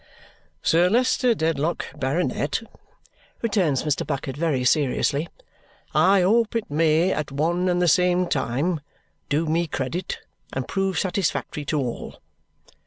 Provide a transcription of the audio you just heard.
"Sir Leicester Dedlock, Baronet," returns Mr. Bucket very seriously, "I hope it may at one and the same time do me credit and prove satisfactory to all.